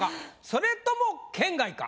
それとも圏外か？